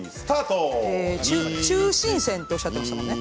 中心線とおっしゃっていましたもんね。